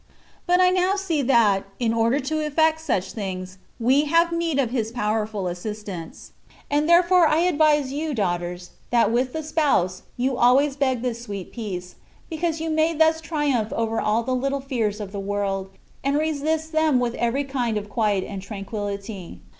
But I now see that^ in order to effect such things^ we have need of His powerful assistance ; and therefore I advise you, daughters^ that with the Spouse^ you always beg this sweet peace, because you may thus triumph over all the little fears of the world, and resist them with every kind of quiet and tranquillity.